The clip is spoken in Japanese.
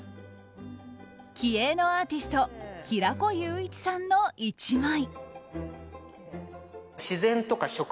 気鋭のアーティスト平子雄一さんの１枚。